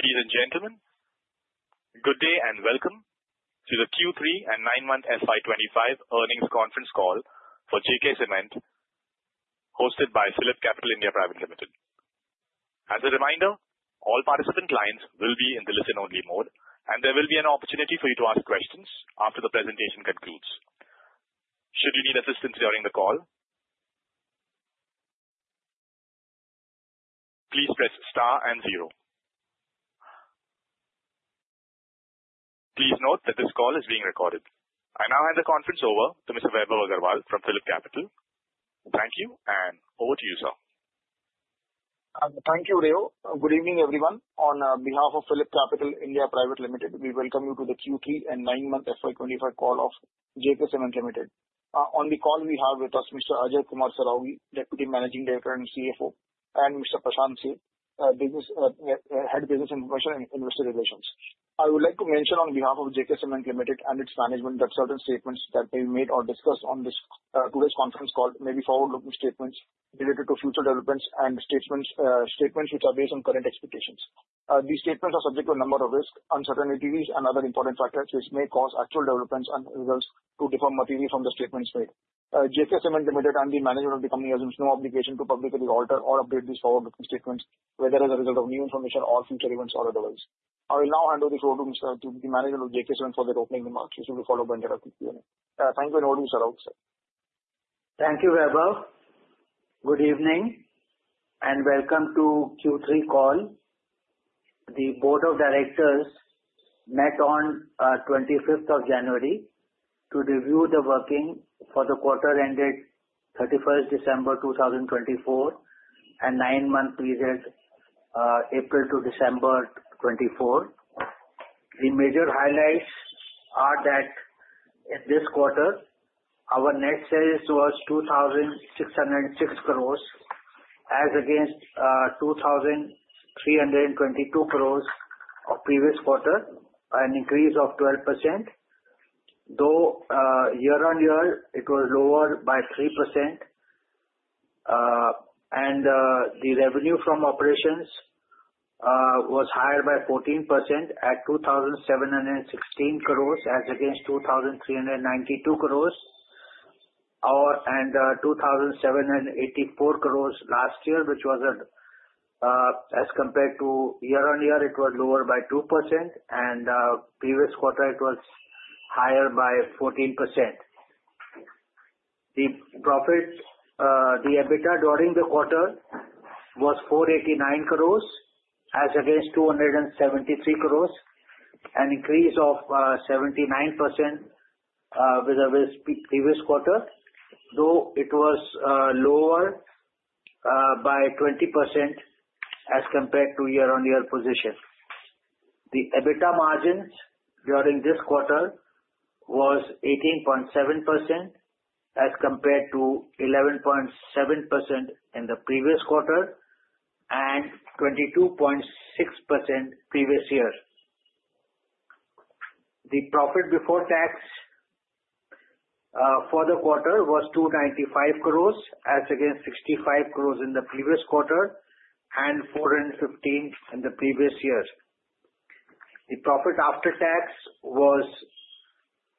Ladies and gentlemen, good day and welcome to the Q3 and 9-month FY25 earnings conference call for J.K. Cement, hosted by PhillipCapital (India) Private Limited. As a reminder, all participant lines will be in the listen-only mode, and there will be an opportunity for you to ask questions after the presentation concludes. Should you need assistance during the call, please press star and zero. Please note that this call is being recorded. I now hand the conference over to Mr. Vaibhav Agarwal from PhillipCapital. Thank you, and over to you, sir. Thank you, Rio. Good evening, everyone. On behalf of PhillipCapital (India) Private Limited, we welcome you to the Q3 and 9-month FY25 call of J.K. Cement Limited. On the call, we have with us Mr. Ajay Kumar Saraogi, Deputy Managing Director and CFO, and Mr. Prashant Seth, Head of Business Information and Investor Relations. I would like to mention, on behalf of J.K. Cement Limited and its management, that certain statements that may be made or discussed on this today's conference call may be forward-looking statements related to future developments and statements which are based on current expectations. These statements are subject to a number of risks, uncertainties, and other important factors which may cause actual developments and results to differ materially from the statements made. J.K. Cement Limited and the management of the company assumes no obligation to publicly alter or update these forward-looking statements, whether as a result of new information or future events or otherwise. I will now hand over the floor to Mr. Saraogi, the manager of J.K. Cement, for the opening remarks, which will be followed by interactive Q&A. Thank you, and over to Mr. Saraogi. Thank you, Vaibhav. Good evening and welcome to Q3 call. The Board of Directors met on 25th of January to review the working for the quarter ended 31st December 2024 and 9-month period April to December 2024. The major highlights are that in this quarter, our net sales was 2,606 crores, as against 2,322 crores of previous quarter, an increase of 12%. Though year-on-year, it was lower by 3%, and the revenue from operations was higher by 14% at 2,716 crores, as against 2,392 crores and 2,784 crores last year, which was as compared to year-on-year, it was lower by 2%, and previous quarter, it was higher by 14%. The EBITDA during the quarter was 489 crores, as against 273 crores, an increase of 79% with the previous quarter, though it was lower by 20% as compared to year-on-year position. The EBITDA margins during this quarter was 18.7% as compared to 11.7% in the previous quarter and 22.6% previous year. The profit before tax for the quarter was 295 crores, as against 65 crores in the previous quarter and 415 in the previous year. The profit after tax was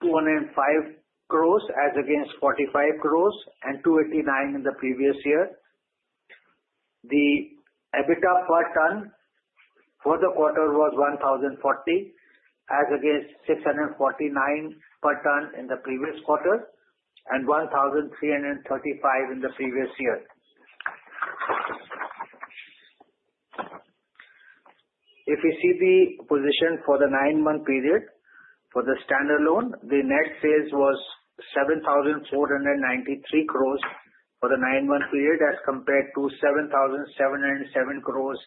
205 crores, as against 45 crores, and 289 in the previous year. The EBITDA per ton for the quarter was 1,040, as against 649 per ton in the previous quarter and 1,335 in the previous year. If we see the position for the 9-month period for the standalone, the net sales was 7,493 crores for the 9-month period as compared to 7,707 crores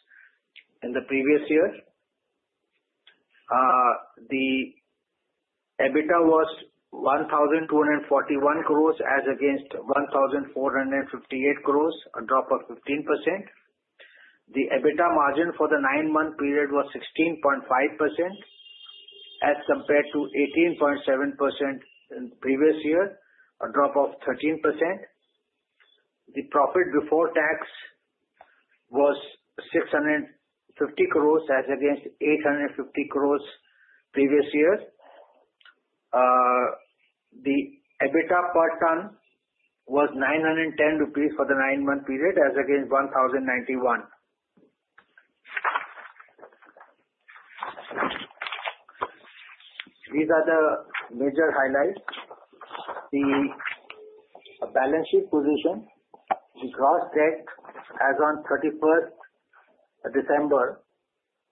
in the previous year. The EBITDA was 1,241 crores, as against 1,458 crores, a drop of 15%. The EBITDA margin for the 9-month period was 16.5% as compared to 18.7% in the previous year, a drop of 13%. The profit before tax was 650 crores, as against 850 crores previous year. The EBITDA per ton was 910 rupees for the 9-month period, as against 1,091. These are the major highlights. The balance sheet position, the gross debt as of 31st December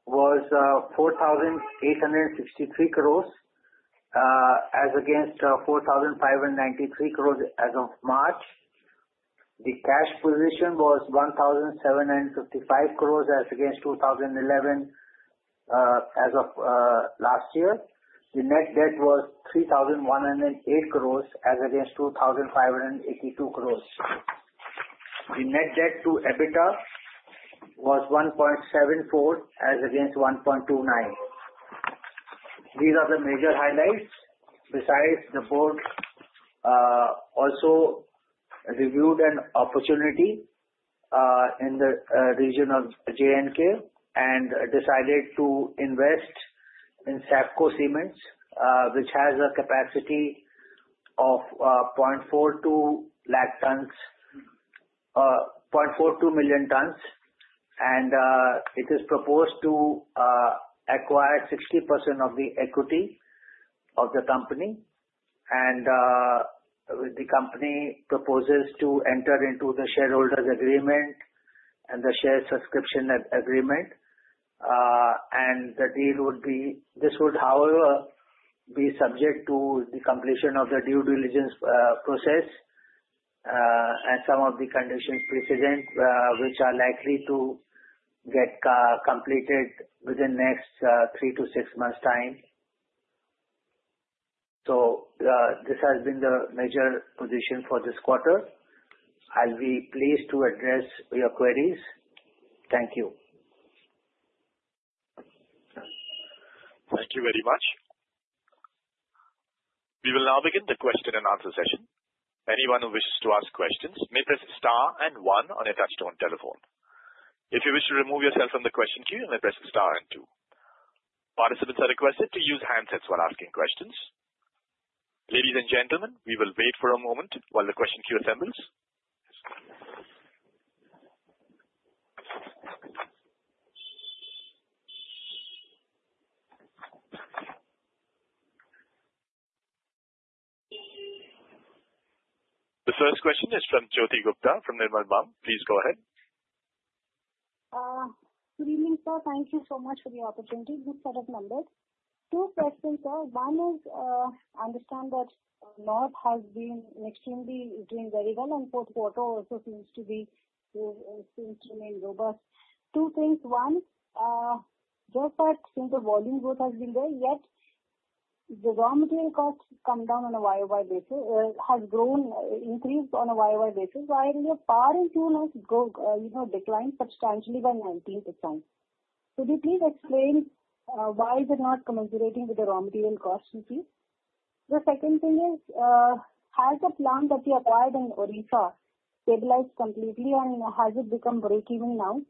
was 4,863 crores, as against 4,593 crores as of March. The cash position was 1,755 crores, as against 2,011 as of last year. The net debt was 3,108 crores, as against 2,582 crores. The net debt to EBITDA was 1.74, as against 1.29. These are the major highlights. Besides, the board also reviewed an opportunity in the region of J&K and decided to invest in Saifco Cements, which has a capacity of 0.42 million tons, and it is proposed to acquire 60% of the equity of the company. And the company proposes to enter into the shareholders' agreement and the share subscription agreement, and the deal would, however, be subject to the completion of the due diligence process and some of the conditions precedent, which are likely to get completed within the next three to six months' time. So this has been the major position for this quarter. I'll be pleased to address your queries. Thank you. Thank you very much. We will now begin the question and answer session. Anyone who wishes to ask questions may press star one on a touch-tone telephone. If you wish to remove yourself from the question queue, you may press star two. Participants are requested to use handsets while asking questions. Ladies and gentlemen, we will wait for a moment while the question queue assembles. The first question is from Jyoti Gupta from Nirmal Bang. Please go ahead. Good evening, sir. Thank you so much for the opportunity. Good set of numbers. Two questions, sir. One is, I understand that North has been extremely doing very well, and fourth quarter also seems to remain robust. Two things. One, thus far, since the volume growth has been there, yet the raw material costs come down on a year-over-year basis, has grown, increased on a year-over-year basis, while the power and fuel has declined substantially by 19%. So do you please explain why they're not commensurating with the raw material costs, please? The second thing is, has the plant that we acquired in Odisha stabilized completely, and has it become break-even now?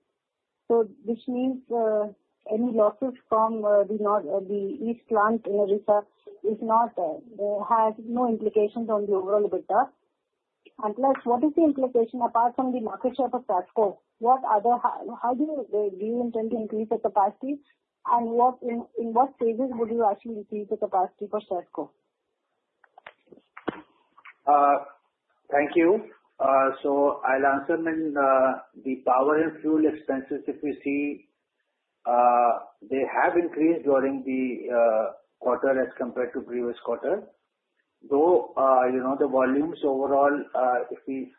So which means any losses from the East plant in Odisha has no implications on the overall EBITDA. And plus, what is the implication apart from the market share for Saifco? How do you intend to increase the capacity, and in what phases would you actually increase the capacity for Saifco? Thank you. So I'll answer in the power and fuel expenses. If we see they have increased during the quarter as compared to previous quarter. Though the volumes overall, if we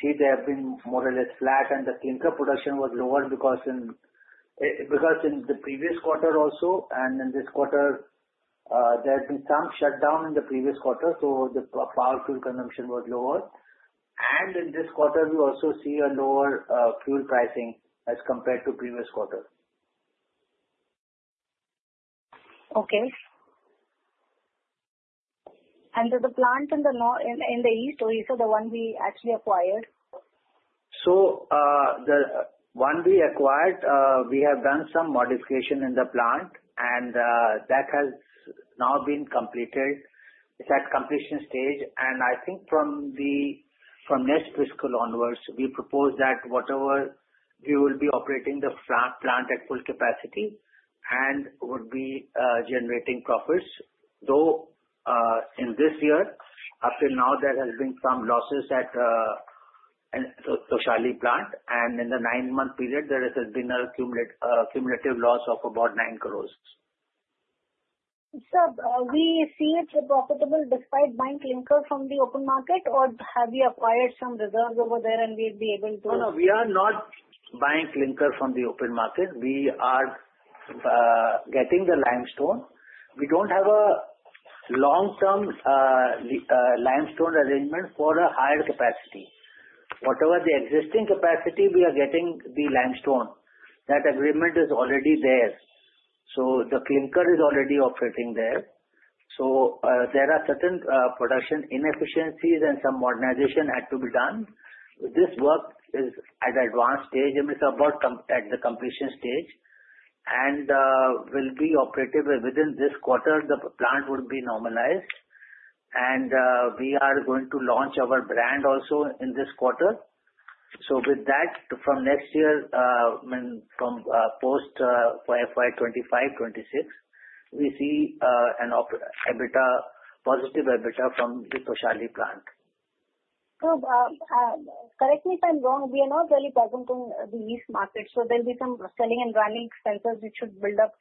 see they have been more or less flat, and the clinker production was lower because in the previous quarter also, and in this quarter, there had been some shutdown in the previous quarter, so the power fuel consumption was lower. And in this quarter, we also see a lower fuel pricing as compared to previous quarter. Okay. And does the plant in the East, so the one we actually acquired? The one we acquired, we have done some modification in the plant, and that has now been completed. It's at completion stage. I think from next fiscal onwards, we propose that whatever we will be operating the plant at full capacity and would be generating profits. Though in this year, up till now, there has been some losses at Toshali plant, and in the 9-month period, there has been an accumulative loss of about 9 crore. Sir, we see it profitable despite buying clinker from the open market, or have we acquired some reserves over there and we'll be able to? No, no. We are not buying clinker from the open market. We are getting the limestone. We don't have a long-term limestone arrangement for a higher capacity. Whatever the existing capacity, we are getting the limestone. That agreement is already there. So the clinker is already operating there. So there are certain production inefficiencies and some modernization had to be done. This work is at advanced stage. It is about at the completion stage and will be operative within this quarter. The plant would be normalized, and we are going to launch our brand also in this quarter. So with that, from next year, from post FY25, '26, we see an EBITDA, positive EBITDA from the Toshali plant. Sir, correct me if I'm wrong, we are not really present in the East market. So there'll be some selling and running expenses which should build up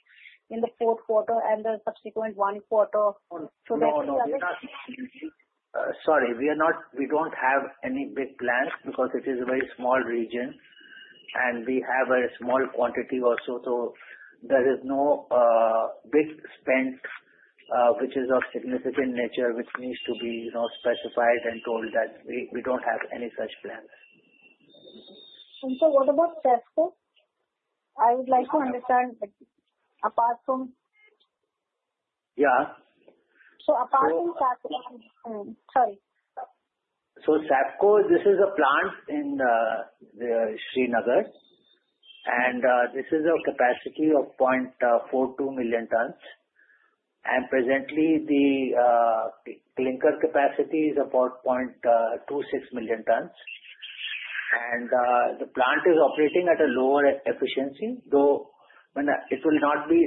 in the fourth quarter and the subsequent one quarter so that we are not. Sorry, we don't have any big plans because it is a very small region, and we have a small quantity also, so there is no big spend which is of significant nature which needs to be specified and told that we don't have any such plans. Sir, what about Saifco? I would like to understand apart from. Yeah. Apart from Saifco, sorry. So, Saifco, this is a plant in Srinagar, and this is a capacity of 0.42 million tons. And presently, the clinker capacity is about 0.26 million tons. And the plant is operating at a lower efficiency. Though it will not be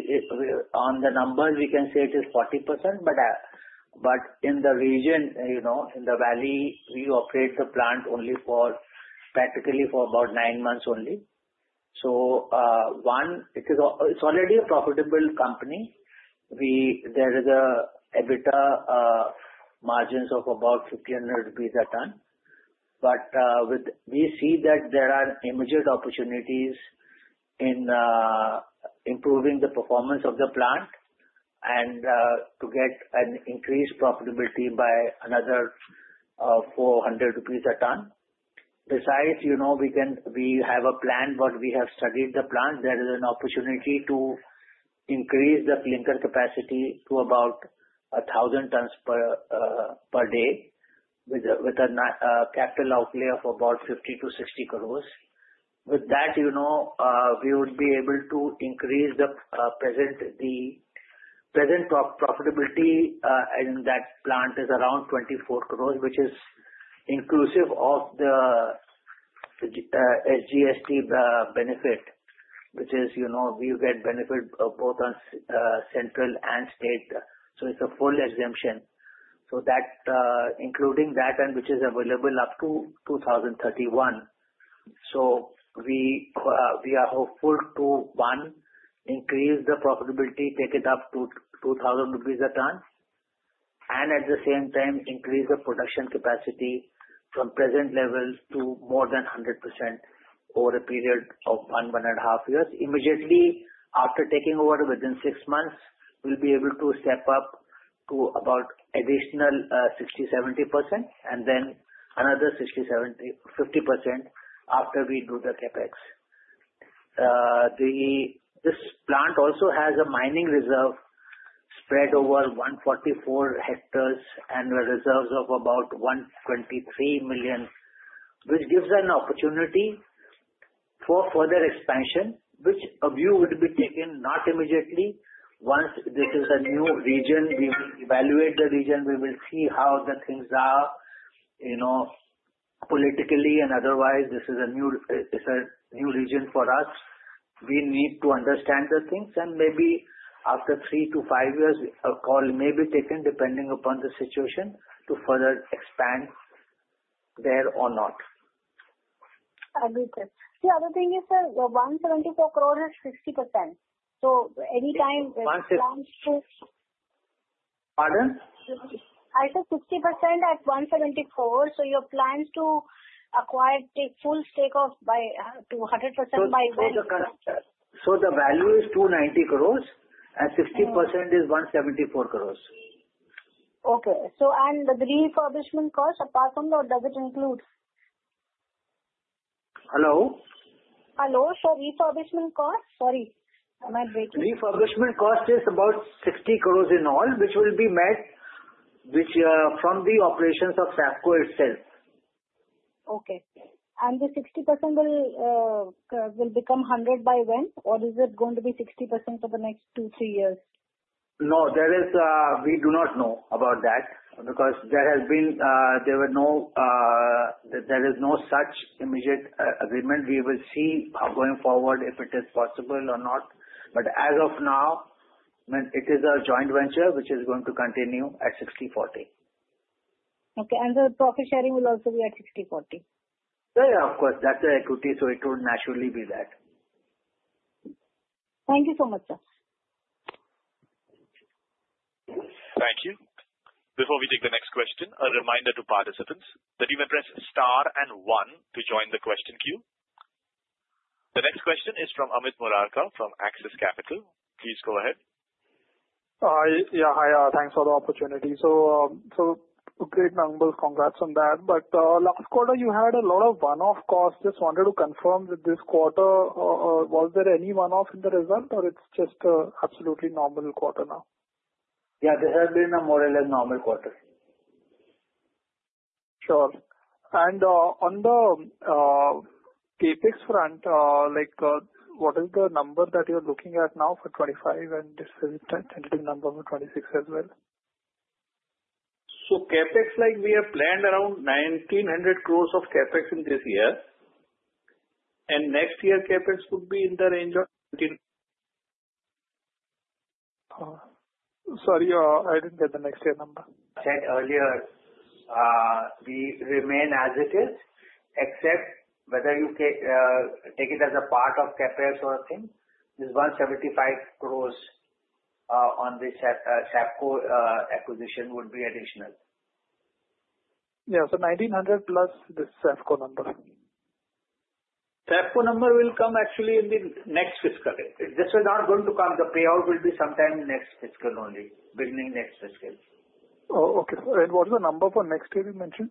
on the number, we can say it is 40%, but in the region, in the valley, we operate the plant only for practically about nine months only. So one, it is already a profitable company. There is an EBITDA margin of about 1,500 rupees a ton. But we see that there are immediate opportunities in improving the performance of the plant and to get an increased profitability by another 400 rupees a ton. Besides, we have a plan, but we have studied the plant. There is an opportunity to increase the clinker capacity to about 1,000 tons per day with a capital outlay of about 50-60 crores. With that, we would be able to increase the present profitability in that plant, which is around 24 crores, which is inclusive of the SGST benefit, which is we get benefit both on central and state. So it's a full exemption. So including that, and which is available up to 2031. So we are hopeful to, one, increase the profitability, take it up to 2,000 rupees a ton, and at the same time, increase the production capacity from present level to more than 100% over a period of one, one and a half years. Immediately after taking over within six months, we'll be able to step up to about additional 60%-70%, and then another 60%-70%-50% after we do the CAPEX. This plant also has a mining reserve spread over 144 hectares and reserves of about 123 million, which gives an opportunity for further expansion. A view would be taken not immediately. Once this is a new region, we will evaluate the region. We will see how the things are politically and otherwise. This is a new region for us. We need to understand the things, and maybe after three to five years, a call may be taken depending upon the situation to further expand there or not. I agree with you. The other thing is, sir, the 174 crores is 60%. So anytime. Pardon? I said 60% at 174. So your plans to acquire take full stake of 100% by what? The value is 290 crores, and 60% is 174 crores. Okay. And the refurbishment cost, apart from that, does it include? Hello? Hello. So refurbishment cost, sorry, am I breaking? Refurbishment cost is about 60 crores in all, which will be met from the operations of Saifco itself. Okay. And the 60% will become 100 by when? Or is it going to be 60% for the next two, three years? No, we do not know about that because there is no such immediate agreement. We will see going forward if it is possible or not. But as of now, it is a joint venture, which is going to continue at 60/40. Okay. And the profit sharing will also be at 60/40? Yeah, yeah, of course. That's the equity, so it would naturally be that. Thank you so much, sir. Thank you. Before we take the next question, a reminder to participants that you may press star and one to join the question queue. The next question is from Amit Murarka from Axis Capital. Please go ahead. Yeah. Hi. Thanks for the opportunity. So great numbers. Congrats on that. But last quarter, you had a lot of one-off costs. Just wanted to confirm that this quarter, was there any one-off in the result, or it's just an absolutely normal quarter now? Yeah. This has been a more or less normal quarter. Sure. And on the CAPEX front, what is the number that you're looking at now for 2025, and this is a tentative number for 2026 as well? CapEx, we have planned around 1,900 crores of CapEx in this year. Next year, CapEx would be in the range of. Sorry, I didn't get the next year number. Said earlier, we remain as it is, except whether you take it as a part of CapEx or a thing, this 175 crores on the Saifco acquisition would be additional. Yeah. So 1,900 plus the Saifco number. Saifco number will come actually in the next fiscal year. This is not going to come. The payout will be sometime next fiscal only, beginning next fiscal. Oh, okay. And what is the number for next year you mentioned?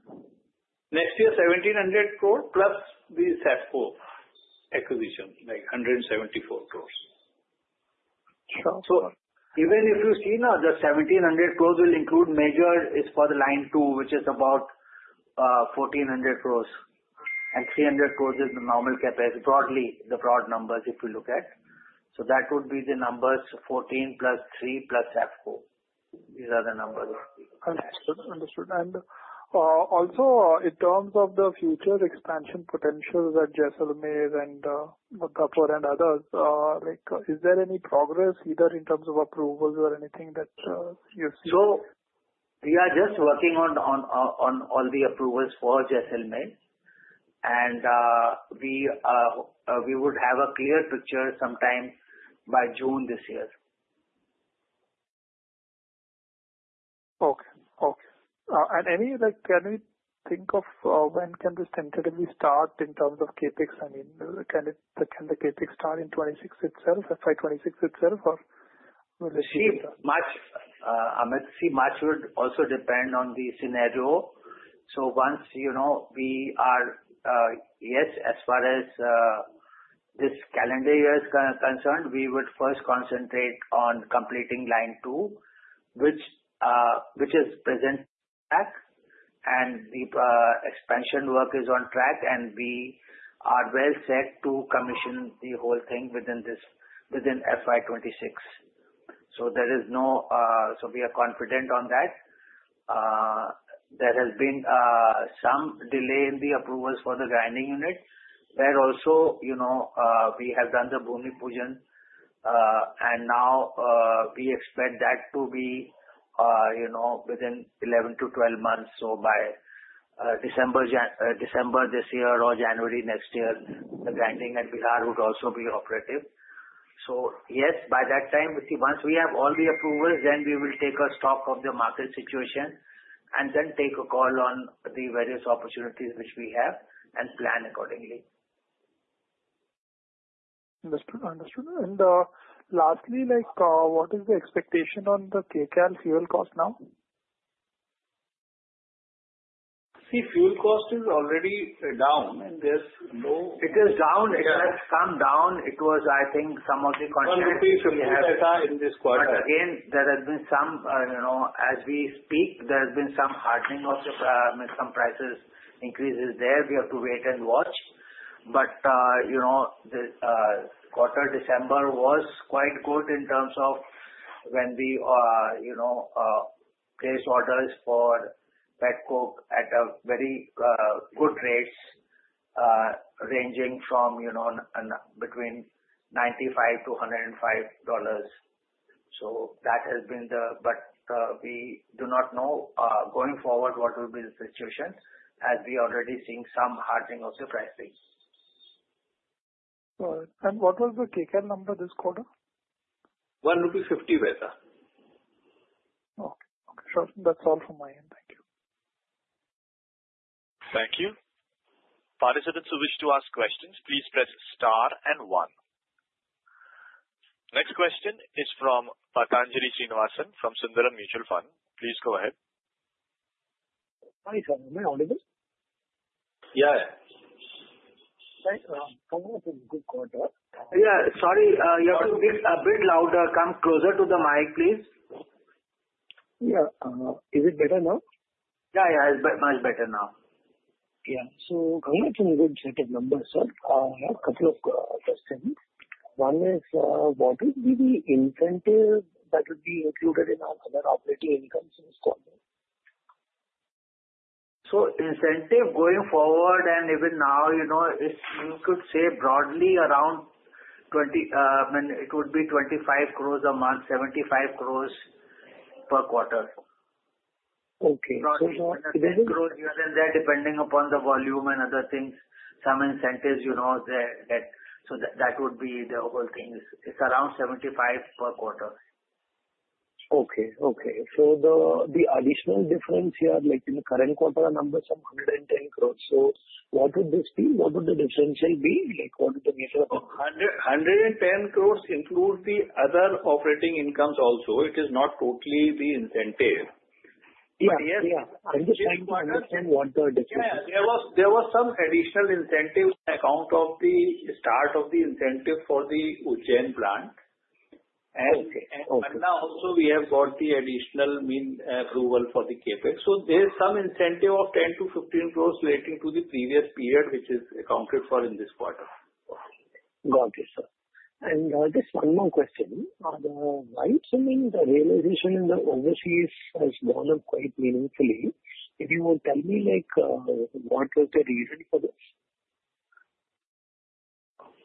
Next year, 1,700 crores plus the Saifco acquisition, like 174 crores. Sure. So, even if you see now, the 1,700 crores will include majority is for the line two, which is about 1,400 crores, and 300 crores is the normal CAPEX, broadly, the broad numbers if you look at. So that would be the numbers, 14+ 3+ Saifco. These are the numbers. Understood. Understood. And also, in terms of the future expansion potential that Jaisalmer and Gorakhpur and others, is there any progress either in terms of approvals or anything that you've seen? So we are just working on all the approvals for Jaisalmer, and we would have a clear picture sometime by June this year. Okay. Okay. And can you think of when can this tentatively start in terms of CapEx? I mean, can the CapEx start in '26 itself, FY26 itself, or will it? See, Amit, much would also depend on the scenario. So once we are, yes, as far as this calendar year is concerned, we would first concentrate on completing line two, which is present track, and the expansion work is on track, and we are well set to commission the whole thing within FY26. So there is no, so we are confident on that. There has been some delay in the approvals for the grinding unit, where also we have done the Bhoomi Pujan, and now we expect that to be within 11 to 12 months. So by December this year or January next year, the grinding at Bihar would also be operative. So yes, by that time, once we have all the approvals, then we will take a stock of the market situation and then take a call on the various opportunities which we have and plan accordingly. Understood. Understood. And lastly, what is the expectation on the Kcal fuel cost now? See, fuel cost is already down. It is down. It has come down. It was, I think, some of the contracts we had. INR 100 in this quarter. But again, there has been some, as we speak, there has been some hardening of some price increases there. We have to wait and watch. But the December quarter was quite good in terms of when we placed orders for Petcoke at very good rates, ranging from between $95-$105. So that has been the, but we do not know going forward what will be the situation as we are already seeing some hardening of the pricing. Got it. And what was the Kcal number this quarter? 1.50 rupee. Okay. Sure. That's all from my end. Thank you. Thank you. Participants who wish to ask questions, please press star and one. Next question is from Patanjali Srinivasan from Sundaram Mutual Fund. Please go ahead. Hi, sir. Am I audible? Yeah. Okay. Congrats on a good quarter. Yeah. Sorry, you have to speak a bit louder. Come closer to the mic, please. Yeah. Is it better now? Yeah. Yeah. It's much better now. Yeah. Congrats on a good set of numbers, sir. I have a couple of questions. One is, what will be the incentive that will be included in our other operating incomes in this quarter? So, incentive going forward, and even now, you could say broadly around 20. It would be 25 crores a month, 75 crores per quarter. Okay, so you have incentive. It is crores even there, depending upon the volume and other things, some incentives that, so that would be the whole thing. It's around 75 per quarter. So the additional difference here, in the current quarter, the numbers are 110 crores. So what would this be? What would the differential be? What would the nature of it be? 110 crores includes the other operating incomes also. It is not totally the incentive. Yeah. Yeah. I'm just trying to understand what the difference is. Yeah. There was some additional incentive on account of the start-up incentive for the Ujjain plant. And now, also, we have got the additional mining approval for the CapEx. So there is some incentive of 10-15 crores relating to the previous period, which is accounted for in this quarter. Got it, sir. And just one more question. The white's realization in the overseas has gone up quite meaningfully. If you would tell me, what was the reason for this?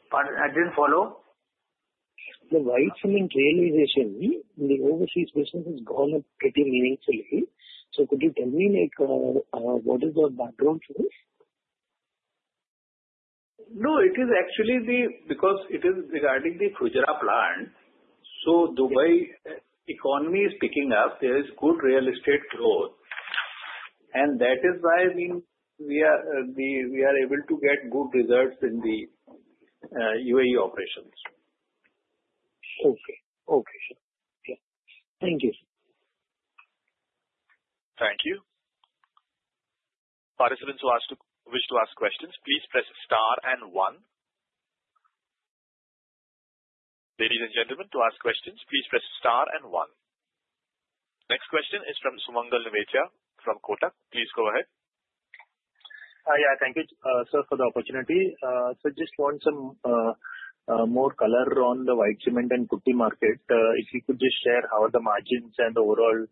Pardon? I didn't follow. The white cement realization in the overseas business has gone up pretty meaningfully. So could you tell me, what is the background to this? No. It is actually there because it is regarding the Fujairah plant, so Dubai economy is picking up. There is good real estate growth, and that is why we are able to get good results in the UAE operations. Okay. Okay, sir. Yeah. Thank you. Thank you. Participants who wish to ask questions, please press star and one. Ladies and gentlemen, to ask questions, please press star and one. Next question is from Sumangal Nevatia from Kotak. Please go ahead. Yeah. Thank you, sir, for the opportunity. So just want some more color on the white cement and putty market. If you could just share how are the margins and overall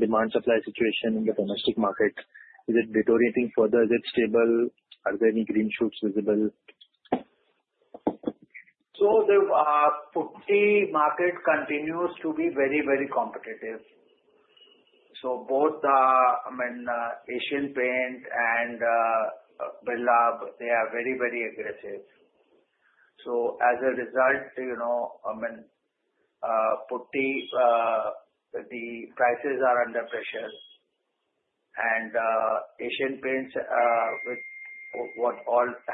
demand-supply situation in the domestic market? Is it deteriorating further? Is it stable? Are there any green shoots visible? The putty market continues to be very, very competitive. Both the Asian Paints and Birla, they are very, very aggressive. As a result, I mean, the prices are under pressure. Asian Paints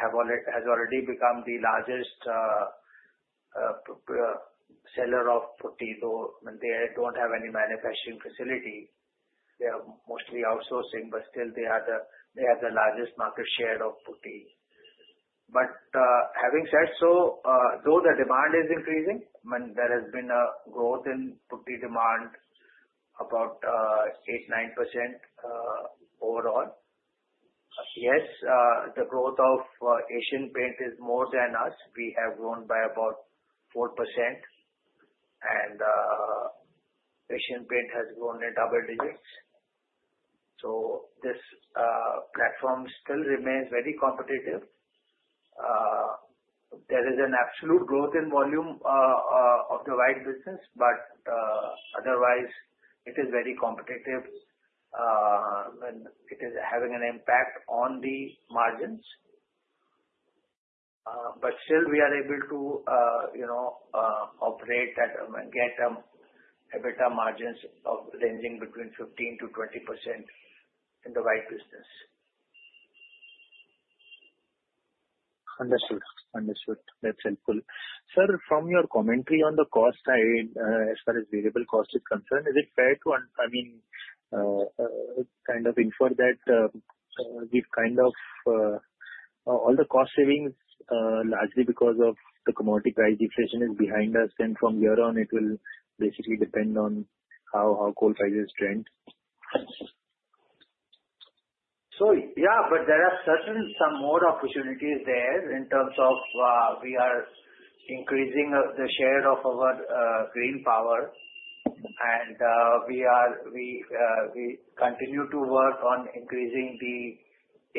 has already become the largest seller of putty though, and they don't have any manufacturing facility. They are mostly outsourcing, but still, they have the largest market share of putty. Having said so, though the demand is increasing, I mean, there has been a growth in putty demand about 8-9% overall. Yes, the growth of Asian Paints is more than us. We have grown by about 4%, and Asian Paints has grown in double digits. This platform still remains very competitive. There is an absolute growth in volume of the white business, but otherwise, it is very competitive, and it is having an impact on the margins. But still, we are able to operate at a better margins of ranging between 15%-20% in the white business. Understood. Understood. That's helpful. Sir, from your commentary on the cost side, as far as variable cost is concerned, is it fair to, I mean, kind of infer that we've kind of all the cost savings largely because of the commodity price deflation is behind us, and from here on, it will basically depend on how coal prices trend? So yeah, but there are certainly some more opportunities there in terms of we are increasing the share of our green power, and we continue to work on increasing the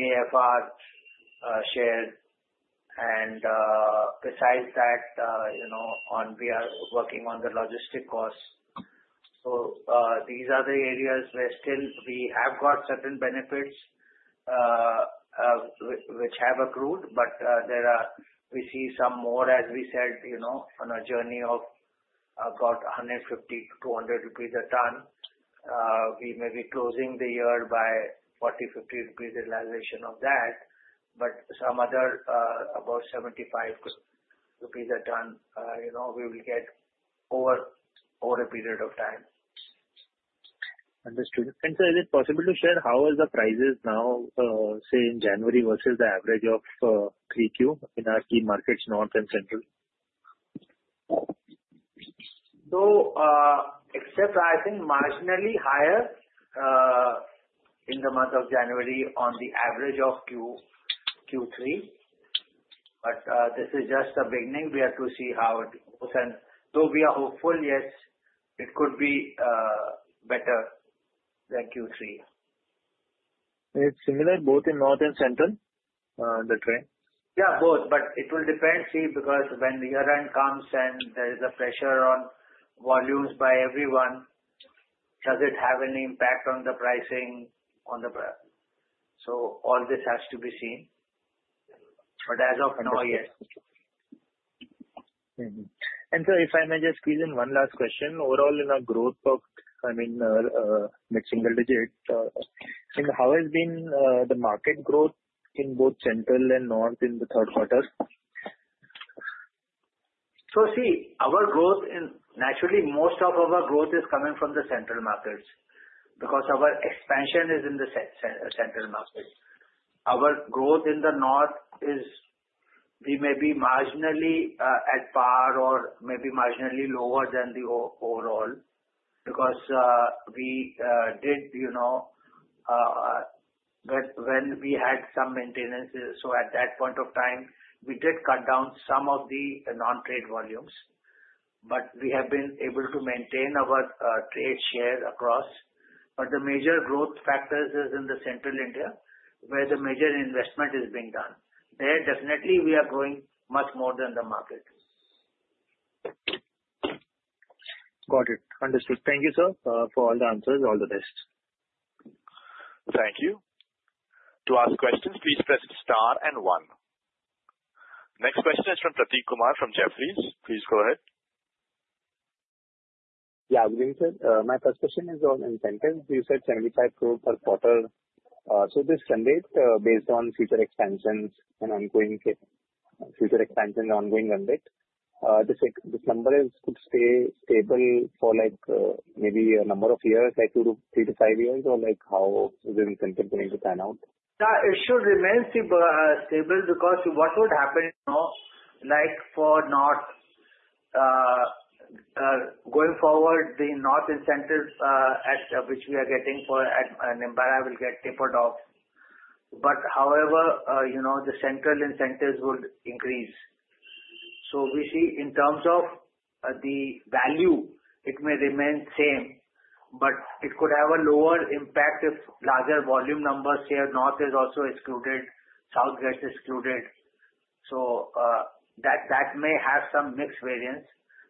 AFR share. And besides that, we are working on the logistics costs. So these are the areas where still we have got certain benefits which have accrued, but we see some more, as we said, on a journey of about 150-200 rupees a ton. We may be closing the year by 40-50 rupees realization of that, but some other about 75 rupees a ton we will get over a period of time. Understood. And sir, is it possible to share how are the prices now, say, in January versus the average of 3Q in our key markets, North and Central? So except I think marginally higher in the month of January on the average of Q3, but this is just the beginning. We have to see how it goes. And though we are hopeful, yes, it could be better than Q3. Is it similar both in North and Central, the trend? Yeah, both. But it will depend, see, because when the year-end comes and there is a pressure on volumes by everyone, does it have any impact on the pricing? So all this has to be seen. But as of now, yes. And sir, if I may just squeeze in one last question. Overall, in our growth, I mean, single-digit, how has been the market growth in both Central and North in the third quarter? So see, our growth, naturally, most of our growth is coming from the Central markets because our expansion is in the Central market. Our growth in the North is we may be marginally at par or maybe marginally lower than the overall because we did when we had some maintenance, so at that point of time, we did cut down some of the non-trade volumes, but we have been able to maintain our trade share across. But the major growth factors is in Central India, where the major investment is being done. There, definitely, we are growing much more than the market. Got it. Understood. Thank you, sir, for all the answers. All the best. Thank you. To ask questions, please press star and one. Next question is from Prateek Kumar from Jefferies. Please go ahead. Yeah. My first question is on incentives. You said 75 crores per quarter. So this mandate based on future expansions and ongoing future expansions and ongoing mandate, this number could stay stable for maybe a number of years, like three to five years, or how is the incentive going to pan out? That issue remains stable because what would happen for North going forward, the North incentive which we are getting for Nimbahera will get tapered off. But however, the Central incentives would increase. So we see in terms of the value, it may remain same, but it could have a lower impact if larger volume numbers here. North is also excluded. South gets excluded. So that may have some mixed variance.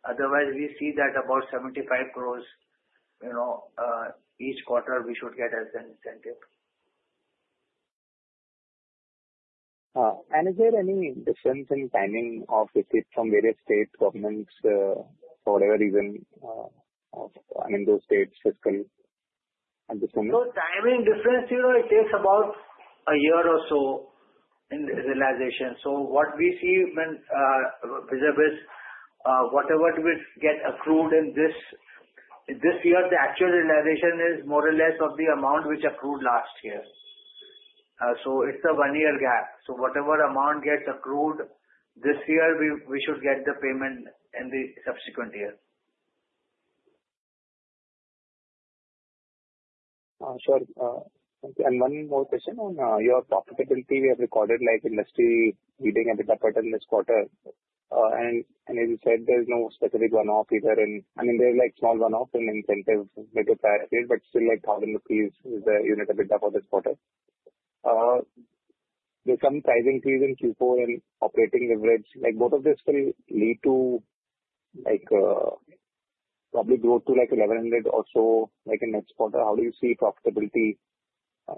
Otherwise, we see that about 75 crores each quarter we should get as an incentive. Is there any difference in timing of receipt from various states, governments, for whatever reason? I mean, those states fiscally at this moment? So timing difference, it takes about a year or so in realization. So what we see, whatever we get accrued in this year, the actual realization is more or less of the amount which accrued last year. So it's a one-year gap. So whatever amount gets accrued this year, we should get the payment in the subsequent year. Sure. And one more question on your profitability. We have recorded industry leading EBITDA quarter in this quarter. And as you said, there's no specific one-off either in I mean, there's small one-off in incentive budget priorities, but still like INR 1,000 is the unit EBITDA for this quarter. There's some pricing fees in Q4 and operating leverage. Both of these still lead to probably growth to like 1,100 or so in next quarter. How do you see profitability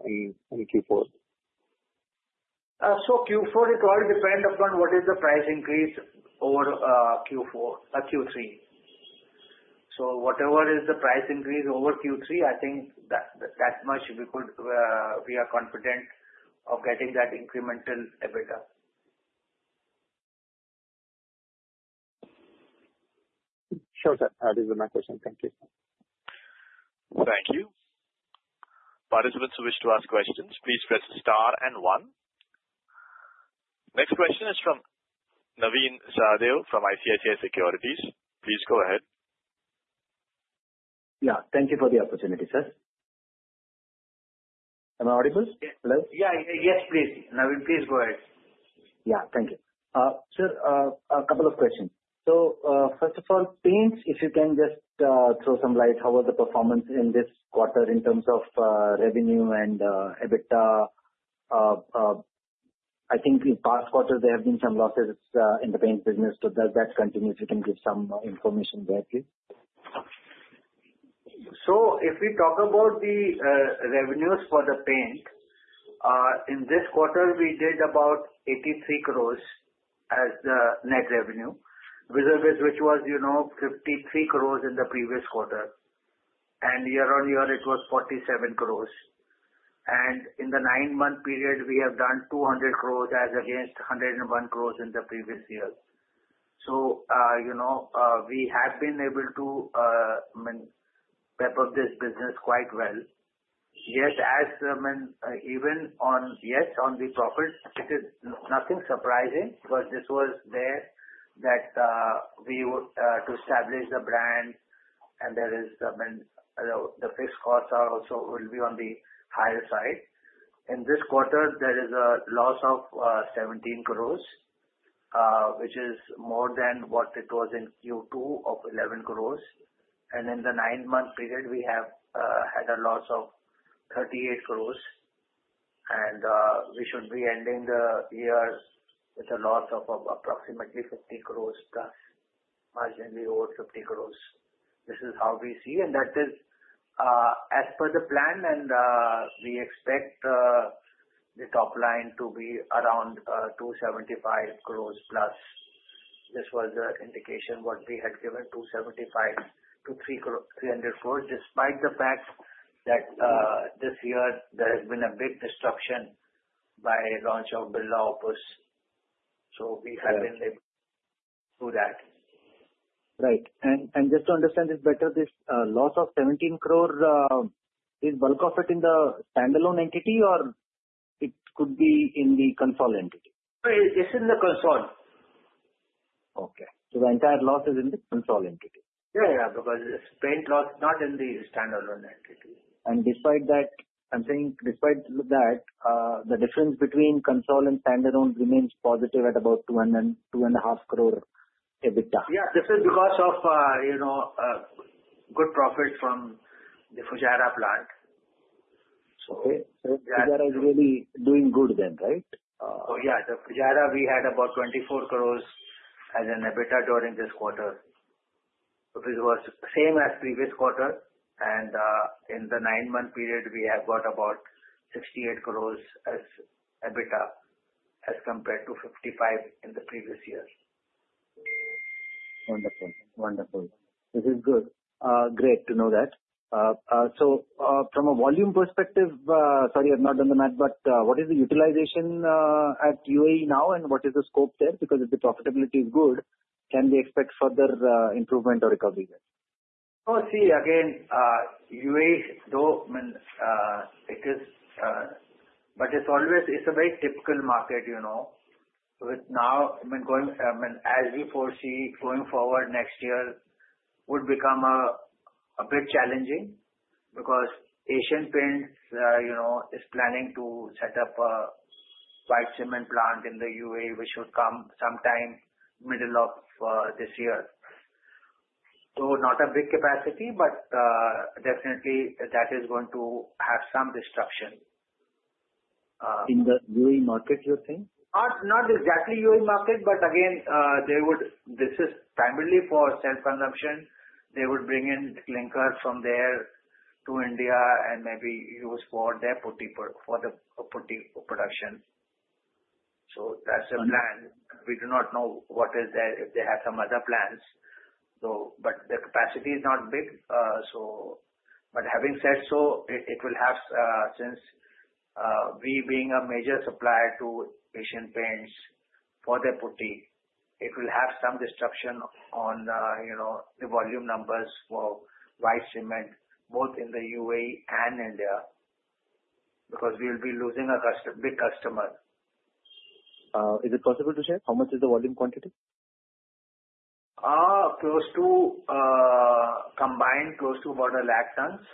in Q4? So Q4, it will depend upon what is the price increase over Q3. So whatever is the price increase over Q3, I think that much we are confident of getting that incremental EBITDA. Sure. That is my question. Thank you. Thank you. Participants who wish to ask questions, please press star and one. Next question is from Naveen Sahadeo from ICICI Securities. Please go ahead. Yeah. Thank you for the opportunity, sir. Am I audible? Yeah. Yes, please. Naveen, please go ahead. Yeah. Thank you. Sir, a couple of questions. So first of all, paints, if you can just throw some light, how was the performance in this quarter in terms of revenue and EBITDA? I think in past quarters, there have been some losses in the paint business. Does that continue? If you can give some information there, please. So if we talk about the revenues for the paint, in this quarter, we did about 83 crores as the net revenue, which was 53 crores in the previous quarter. And year-on-year, it was 47 crores. And in the nine-month period, we have done 200 crores as against 101 crores in the previous year. So we have been able to pepper this business quite well. Yes, even on the profits, it is nothing surprising because this was there that we would establish the brand, and there is the fixed costs also will be on the higher side. In this quarter, there is a loss of 17 crores, which is more than what it was in Q2 of 11 crores. In the nine-month period, we have had a loss of 38 crores, and we should be ending the year with a loss of approximately 50 crores plus, marginally over 50 crores. This is how we see. That is as per the plan, and we expect the top line to be around 275 crores plus. This was the indication what we had given, 275-300 crores, despite the fact that this year, there has been a big destruction by launch of Birla Opus. We have been able to do that. Right. And just to understand this better, this loss of 17 crores, is bulk of it in the standalone entity, or it could be in the consolidated entity? It's in the console. Okay. So the entire loss is in the consol entity? Yeah, yeah, because paint loss is not in the standalone entity. Despite that, I'm saying despite that, the difference between consolidated and standalone remains positive at about 2.5 crore EBITDA. Yeah, this is because of good profit from the Fujairah plant. Okay. So Fujairah is really doing good then, right? Yeah, the Fujairah. We had about 24 crores as an EBITDA during this quarter. It was the same as previous quarter, and in the nine-month period, we have got about 68 crores as EBITDA as compared to 55 in the previous year. Wonderful. Wonderful. This is good. Great to know that. So from a volume perspective, sorry, I've not done the math, but what is the utilization at UAE now, and what is the scope there? Because if the profitability is good, can we expect further improvement or recovery there? Oh, see, again, UAE, though. I mean, it is, but it's always it's a very typical market. With now, I mean, going as we foresee going forward next year would become a bit challenging because Asian Paints is planning to set up a white cement plant in the UAE, which should come sometime middle of this year. So not a big capacity, but definitely that is going to have some disruption. In the UAE market, you're saying? Not exactly UAE market, but again, this is primarily for self-consumption. They would bring in clinkers from there to India and maybe use for their putty production. So that's the plan. We do not know what is there, if they have some other plans. But the capacity is not big. But having said so, it will have, since we being a major supplier to Asian Paints for their putty, it will have some disruption on the volume numbers for white cement, both in the UAE and India, because we will be losing a big customer. Is it possible to share how much is the volume quantity? Close to combined, close to about a lakh tons.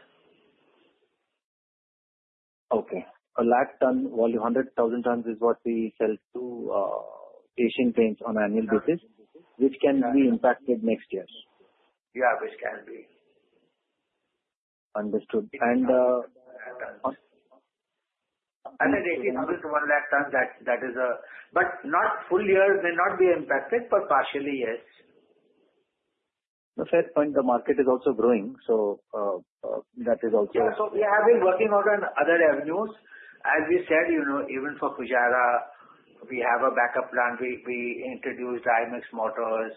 Okay. A lakh tons, 100,000 tons is what we sell to Asian Paints on an annual basis, which can be impacted next year. Yeah, which can be. Understood. And. The 80,000 to 1 lakh tons, that is, but not full year may not be impacted, but partially yes. So fair point. The market is also growing, so that is also. Yeah, so we have been working out on other avenues. As we said, even for Fujairah, we have a backup plant. We introduced Dry Mix mortars.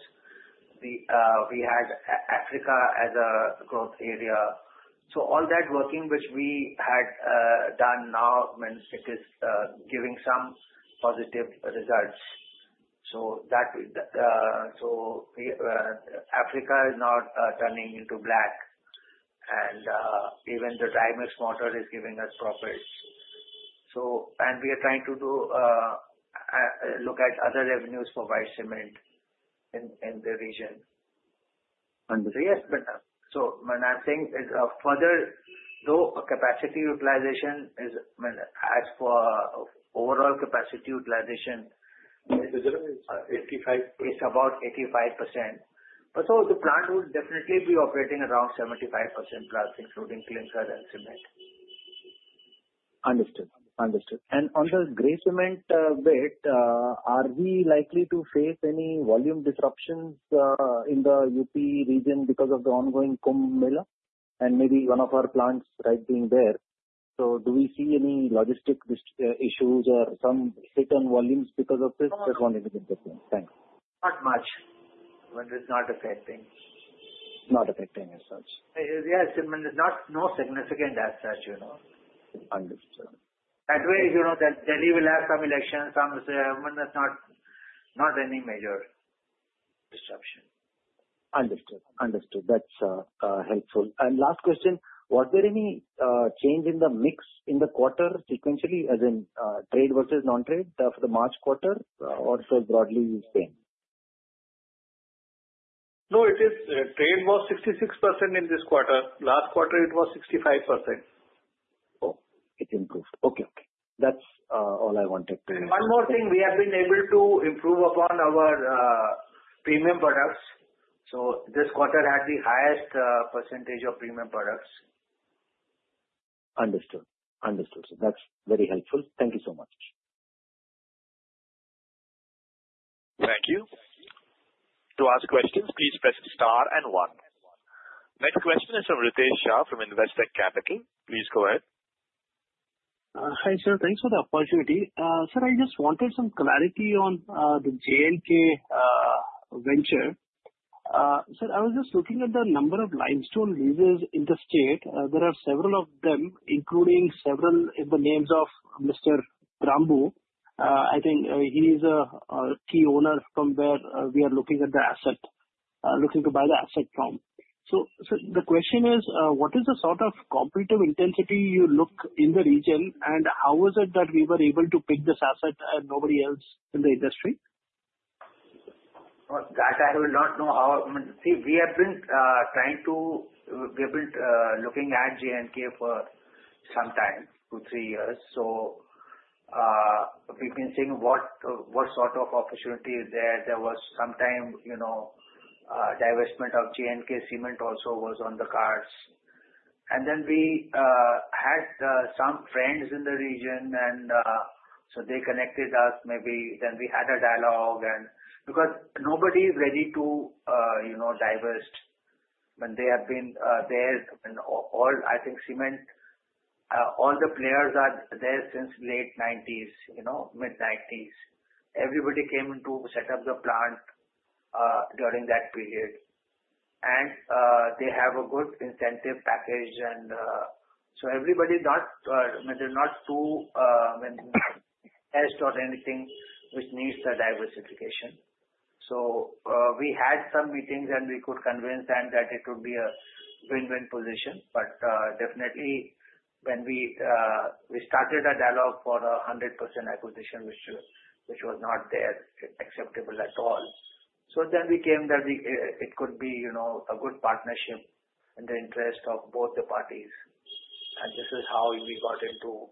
We had Africa as a growth area, so all that working, which we had done now, means it is giving some positive results, so Africa is now turning into black, and even the Dry Mix mortar is giving us profits, and we are trying to look at other avenues for white cement in the region. Understood. Yes. So when I'm saying further, though, capacity utilization is as for overall capacity utilization, it's about 85%. But so the plant would definitely be operating around 75% plus, including clinker and cement. Understood. Understood. And on the grey cement bit, are we likely to face any volume disruptions in the UP region because of the ongoing Kumbh Mela and maybe one of our plants right being there? So do we see any logistic issues or some hit on volumes because of this? Just wanted to get the thing. Thanks. Not much. It's not affecting. Not affecting as such. Yeah. It's not significant as such. Understood. That way, Delhi will have some elections. It's not any major disruption. Understood. Understood. That's helpful. And last question, was there any change in the mix in the quarter sequentially, as in trade versus non-trade for the March quarter, or it was broadly the same? No, it is. Trade was 66% in this quarter. Last quarter, it was 65%. Oh, it improved. Okay. That's all I wanted to. One more thing. We have been able to improve upon our premium products. So this quarter had the highest percentage of premium products. Understood. Understood. That's very helpful. Thank you so much. Thank you. To ask questions, please press star and one. Next question is from Ritesh Shah from Investec. Please go ahead. Hi, sir. Thanks for the opportunity. Sir, I just wanted some clarity on the J&K venture. Sir, I was just looking at the number of limestone leases in the state. There are several of them, including several in the names of Mr. Tramboo. I think he is a key owner from where we are looking at the asset, looking to buy the asset from. So the question is, what is the sort of competitive intensity you look in the region, and how was it that we were able to pick this asset and nobody else in the industry? That I will not know. I mean, see, we have been looking at J&K for some time, two, three years. So we've been seeing what sort of opportunity is there. There was some time divestment of J&K Cements also was on the cards. And then we had some friends in the region, and so they connected us. Maybe then we had a dialogue because nobody is ready to divest when they have been there. I think cement, all the players are there since late 1990s, mid-1990s. Everybody came to set up the plant during that period. And they have a good incentive package. And so everybody is not they're not too heads or anything which needs the diversification. So we had some meetings, and we could convince them that it would be a win-win position. But definitely, when we started a dialogue for a 100% acquisition, which was not at all acceptable. So then we came to that it could be a good partnership in the interest of both the parties. And this is how we got into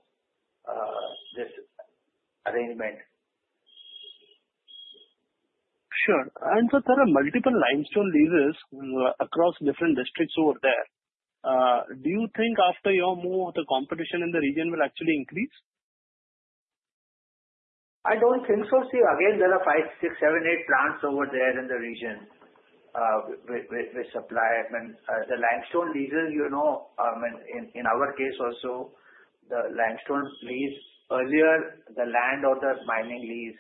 this arrangement. Sure. And so there are multiple limestone leases across different districts over there. Do you think after your move, the competition in the region will actually increase? I don't think so. See, again, there are five, six, seven, eight plants over there in the region with supply. I mean, the limestone leases, I mean, in our case also, the limestone lease earlier, the land or the mining lease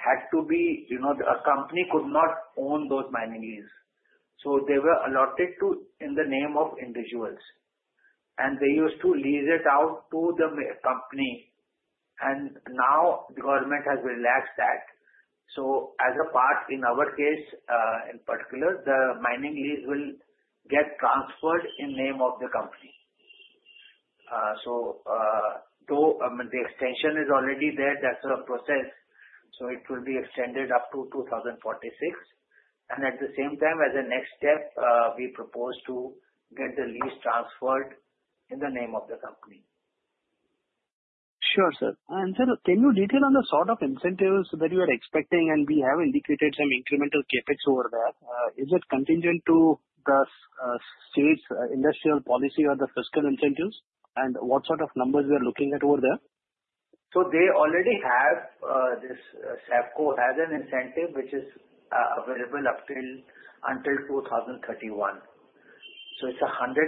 had to be a company could not own those mining leases. So they were allotted in the name of individuals, and they used to lease it out to the company, and now the government has relaxed that. So as a part, in our case in particular, the mining lease will get transferred in name of the company. So though, I mean, the extension is already there. That's a process. So it will be extended up to 2046, and at the same time, as a next step, we propose to get the lease transferred in the name of the company. Sure, sir. And sir, can you detail on the sort of incentives that you are expecting? And we have indicated some incremental CAPEX over there. Is it contingent to the state's industrial policy or the fiscal incentives? And what sort of numbers we are looking at over there? They already have this. Saifco has an incentive which is available until 2031. It's a 100%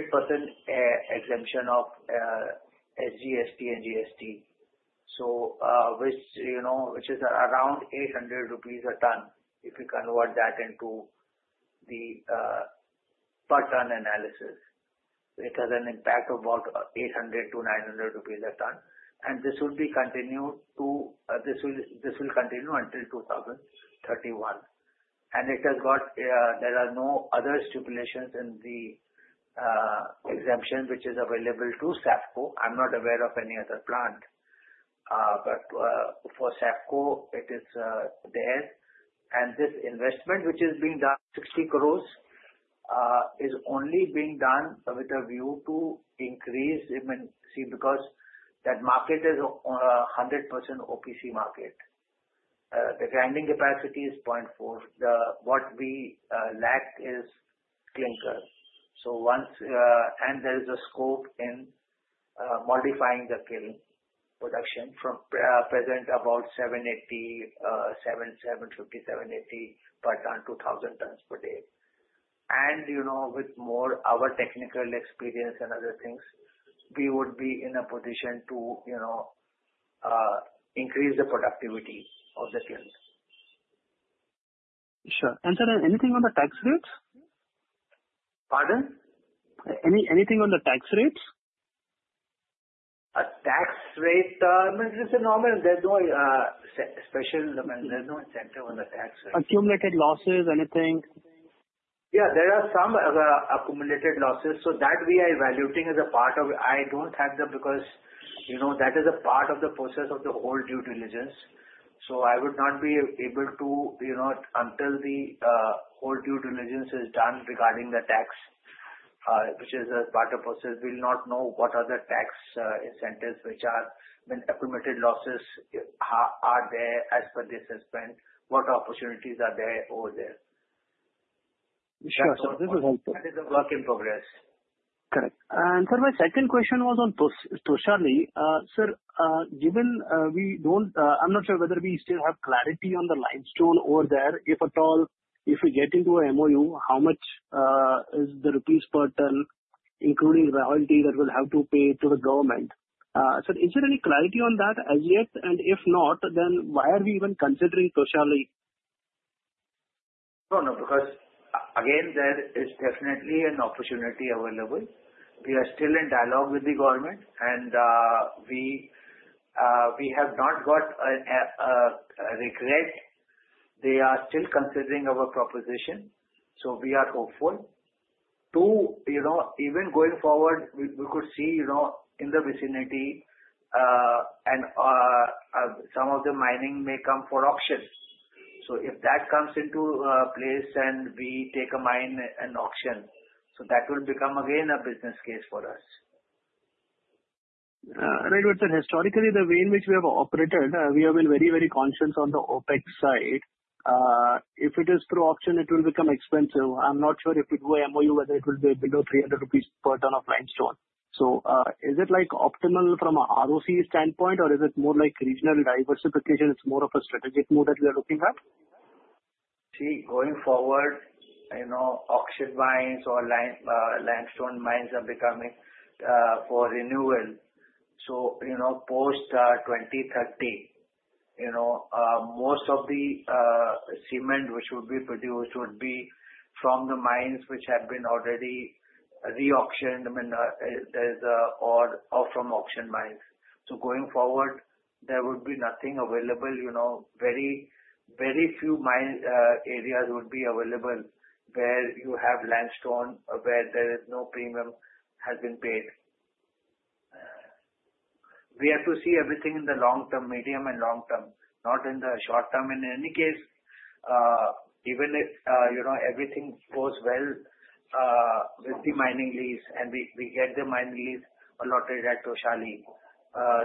exemption of SGST and GST, which is around 800 rupees a ton if you convert that into the per ton analysis. It has an impact of about 800-900 rupees a ton. This will continue until 2031. There are no other stipulations in the exemption which is available to Saifco. I'm not aware of any other plant. But for SAFCO, it is there. This investment, which is being done 60 crores, is only being done with a view to increase. I mean, see, because that market is a 100% OPC market. The grinding capacity is 0.4. What we lack is clinker. There is a scope in modifying the kiln production from the present about 750-780 tons per day to 2,000 tons per day. With more of our technical experience and other things, we would be in a position to increase the productivity of the kiln. Sure. And sir, anything on the tax rates? Pardon? Anything on the tax rates? Tax rate, I mean, this is normal. There's no special, I mean, there's no incentive on the tax rate. Accumulated losses, anything? Yeah. There are some accumulated losses. So that we are evaluating as a part of. I don't have them because that is a part of the process of the whole due diligence. So I would not be able to until the whole due diligence is done regarding the tax, which is a part of the process. We'll not know what other tax incentives, which are accumulated losses, are there as per the assessment, what opportunities are there over there. Sure. So this is helpful. That is a work in progress. Correct. And sir, my second question was on Toshali. Sir, given, I'm not sure whether we still have clarity on the limestone over there. If at all, if we get into an MOU, how much is the rupees per ton, including royalty that we'll have to pay to the government? Sir, is there any clarity on that as yet? And if not, then why are we even considering Toshali? Oh, no. Because, again, there is definitely an opportunity available. We are still in dialogue with the government, and we have not got a rejection. They are still considering our proposition. So we are hopeful. Two, even going forward, we could see in the vicinity and some of the mining may come for auction. So if that comes into place and we take a mine and auction, so that will become, again, a business case for us. Right. But sir, historically, the way in which we have operated, we have been very, very conscious on the opex side. If it is through auction, it will become expensive. I'm not sure if we do an MOU whether it will be below 300 rupees per ton of limestone. So is it optimal from an ROC standpoint, or is it more like regional diversification? It's more of a strategic move that we are looking at? See, going forward, auction mines or limestone mines are becoming for renewal. So post-2030, most of the cement which would be produced would be from the mines which have been already reauctioned, I mean, or from auction mines. So going forward, there would be nothing available. Very few mining areas would be available where you have limestone where there is no premium has been paid. We have to see everything in the long-term, medium and long-term, not in the short-term. In any case, even if everything goes well with the mining lease and we get the mining lease allotted at Toshali,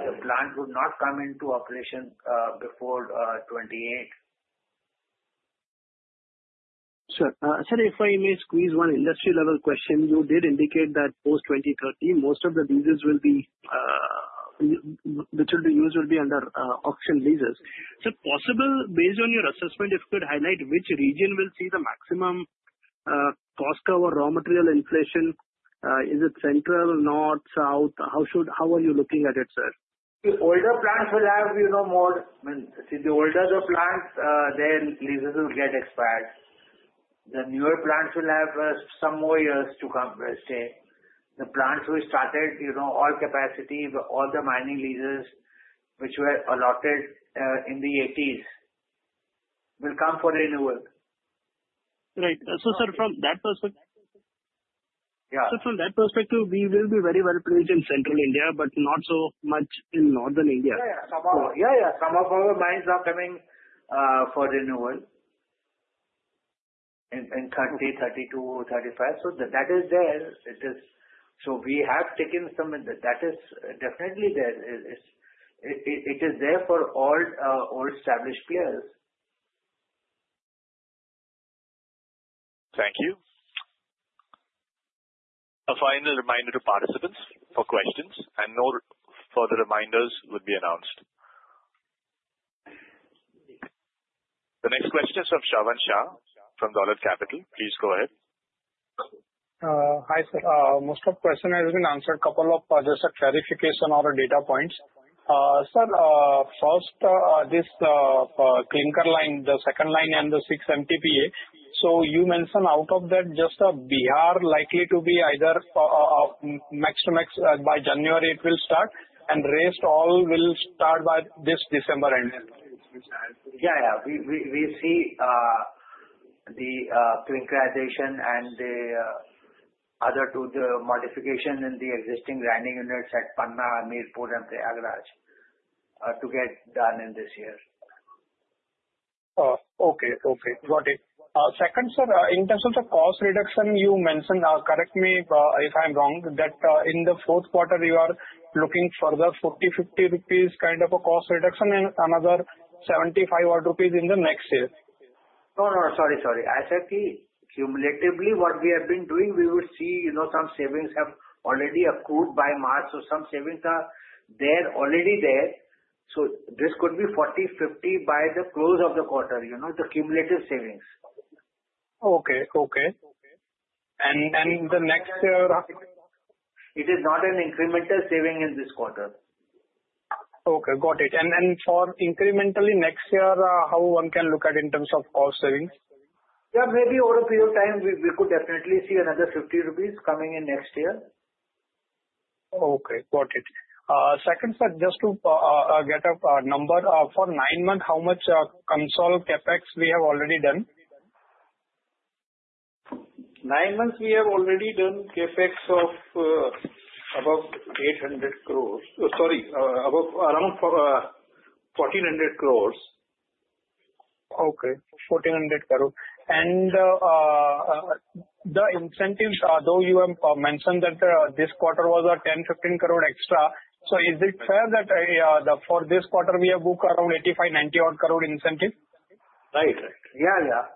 the plant would not come into operation before 2028. Sir, sir, if I may squeeze one industry-level question, you did indicate that post-2030, most of the leases which will be used will be under auction leases. Sir, possibly, based on your assessment, if you could highlight which region will see the maximum cost of raw material inflation, is it central, north, south? How are you looking at it, sir? The older plants will have more, I mean, see, the older the plants, then leases will get expired. The newer plants will have some more years to come, let's say. The plants we started, all capacity, all the mining leases which were allotted in the '80s will come for renewal. Right. So sir, from that perspective. Yeah. So from that perspective, we will be very well placed in Central India, but not so much in North India. Yeah. Yeah. Some of our mines are coming for renewal in 2030, 2032, 2035. So that is there. So we have taken some that is definitely there. It is there for all established players. Thank you. I'll find a reminder to participants for questions, and no further reminders will be announced. The next question is from Shravan Shah from Dolat Capital. Please go ahead. Hi, sir. Most of the questions have been answered. A couple of just a clarification or a data points. Sir, first, this clinker line, the second line and the six MTPA, so you mentioned out of that, just Bihar likely to be either max to max by January it will start, and rest all will start by this December end. Yeah. Yeah. We see the clinkerization and the other two modifications in the existing grinding units at Panna, Hamirpur, and Prayagraj to get done in this year. Okay. Okay. Got it. Second, sir, in terms of the cost reduction, you mentioned, correct me if I'm wrong, that in the fourth quarter, you are looking for the 40 rupees, 50 rupees kind of a cost reduction and another 75 rupees in the next year. No, no. Sorry, sorry. I said, cumulatively, what we have been doing, we would see some savings have already accrued by March. So some savings are there already. So this could be 40, 50 by the close of the quarter, the cumulative savings. Okay. And the next year? It is not an incremental saving in this quarter. Okay. Got it. And then for incrementally next year, how one can look at in terms of cost savings? Yeah. Maybe over a period of time, we could definitely see another 50 rupees coming in next year. Okay. Got it. Second, sir, just to get a number for nine months, how much consolidated CapEx we have already done? Nine months, we have already done CapEx of about 800 crores. Sorry, around 1,400 crores. Okay. 1,400 crores. And the incentives, though you have mentioned that this quarter was 10-15 crore extra. So is it fair that for this quarter, we have booked around 85-90-odd crore incentive? Right. Right. Yeah. Yeah.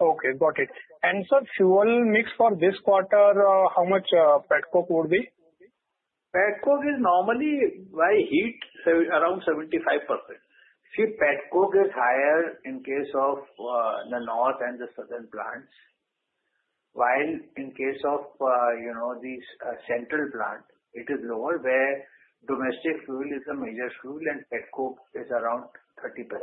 Okay. Got it. And sir, fuel mix for this quarter, how much Petcoke would be? Petcoke is normally by heat around 75%. See, petcoke is higher in case of the north and the southern plants. While in case of these central plant, it is lower where domestic fuel is a major fuel and petcoke is around 25%-30%.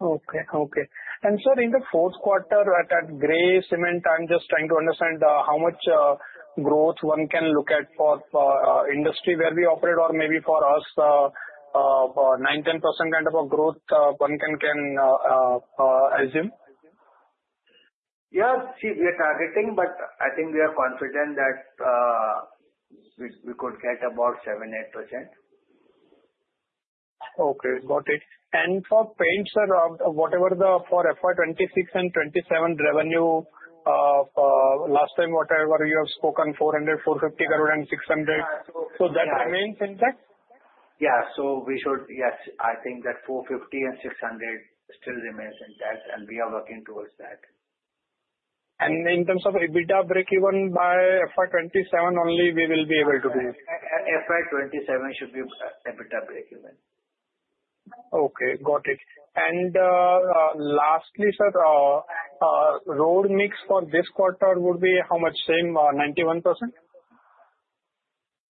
Okay. Okay. And sir, in the fourth quarter, at grey cement, I'm just trying to understand how much growth one can look at for industry where we operate or maybe for us, 9%-10% kind of a growth one can assume? Yeah. See, we are targeting, but I think we are confident that we could get about 7-8%. Okay. Got it. And for paints, sir, whatever the FY 2026 and 2027 revenue last time, whatever you have spoken, 400-450 crore and 600 crore. So that remains intact? Yeah. So, we should, yes. I think that 450 and 600 still remains intact, and we are working towards that. In terms of EBITDA break-even by FY27 only, we will be able to do it. FY 27 should be EBITDA break-even. Okay. Got it, and lastly, sir, ready mix for this quarter would be how much? Same 91%?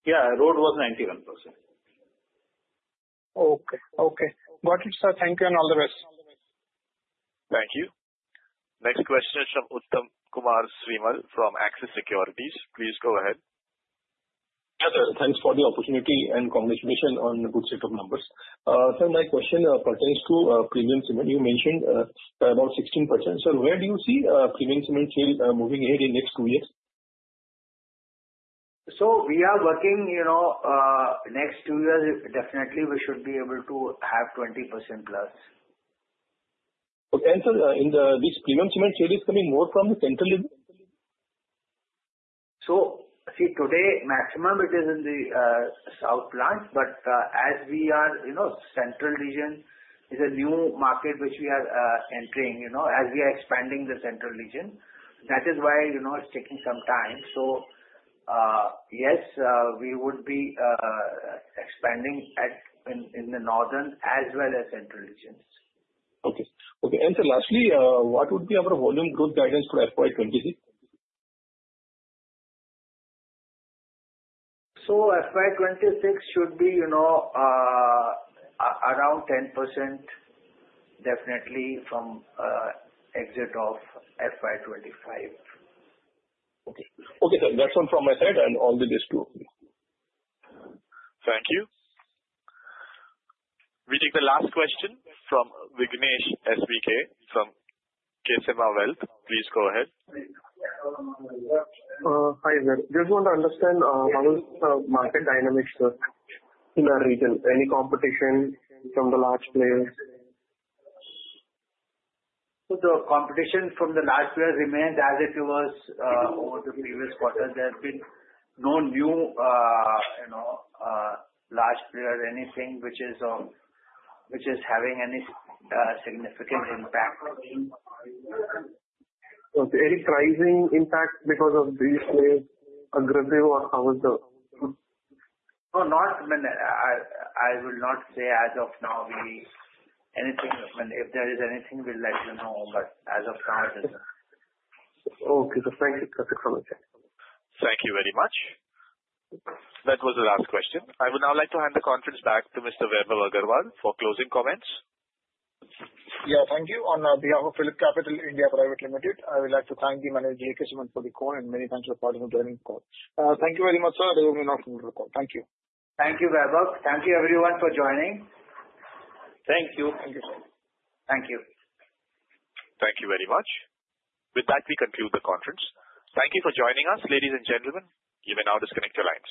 Yeah. Road was 91%. Okay. Okay. Got it, sir. Thank you and all the best. Thank you. Next question is from Uttam Kumar Srimal from Axis Securities. Please go ahead. Yeah, sir. Thanks for the opportunity and congratulations on a good set of numbers. Sir, my question pertains to premium cement. You mentioned about 16%. Sir, where do you see premium cement moving ahead in the next two years? So we are working next two years, definitely, we should be able to have 20% plus. Okay. And sir, this Premium Cement trade is coming more from the central region? So, see, today maximum it is in the south plant. But as we are, central region is a new market which we are entering as we are expanding the central region. That is why it's taking some time. So yes, we would be expanding in the northern as well as central regions. Okay. And sir, lastly, what would be our volume growth guidance for FY 26? FY 26 should be around 10% definitely from exit of FY 25. Okay. Okay, then that's all from my side and all the best to you. Thank you. We take the last question from Vignesh Iyer from Sequent Investments. Please go ahead. Hi, sir. Just want to understand how is the market dynamics, sir, in the region? Any competition from the large players? So the competition from the large players remains as it was over the previous quarter. There has been no new large player, anything which is having any significant impact. So, is there any pricing impact because of these players' aggressive or how is the? No, not. I mean, I will not say as of now, anything. I mean, if there is anything, we'll let you know. But as of now, it isn't. Okay. So thank you. Perfect commentary. Thank you very much. That was the last question. I would now like to hand the conference back to Mr. Vaibhav Agarwal for closing comments. Yeah. Thank you. On behalf of PhillipCapital (India) Private Limited, I would like to thank the management, J.K. Cement, for the call and many thanks for joining the call. Thank you very much, sir. I will not end the call. Thank you. Thank you, Vaibhav. Thank you, everyone, for joining. Thank you. Thank you, sir. Thank you. Thank you very much. With that, we conclude the conference. Thank you for joining us, ladies and gentlemen. You may now disconnect your lines.